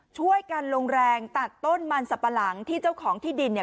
ช่วยกันลงแรงตัดต้นมันสับปะหลังที่เจ้าของที่ดินเนี่ย